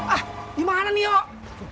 ah dimana nih yuk